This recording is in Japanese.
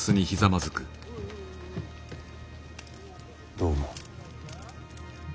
どう思う？